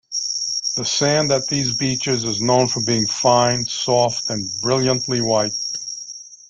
The sand at these beaches is known for being fine, soft, and brilliantly white.